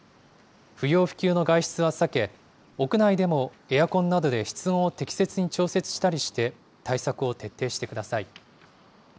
不要不急の外出は避け、屋内でもエアコンなどで室温を適切に調節したりして、対策を徹底してください。